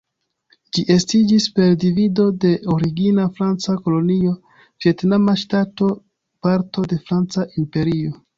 Ĝi estiĝis per divido de origina franca kolonio Vjetnama ŝtato, parto de franca imperio.